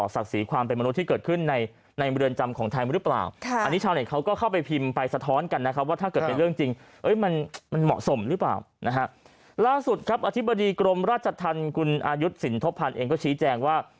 ล่าสุดครับอธิบดีกรมราชธรรมคุณอายุสินทบพันธ์เองก็ชี้แจงว่า